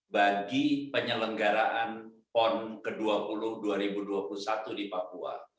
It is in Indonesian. bagi penyelenggaraan pon ke dua puluh dua ribu dua puluh satu di papua